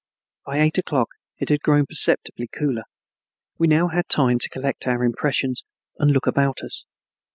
By eight o'clock it had grown perceptibly cooler. We now had time to collect our impressions and look about us.